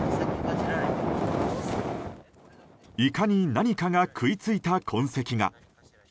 イカに何かが食いついた痕跡が。